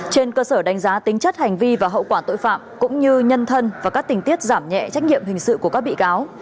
trên cơ sở đánh giá tính chất hành vi và hậu quả tội phạm cũng như nhân thân và các tình tiết giảm nhẹ trách nhiệm hình sự của các bị cáo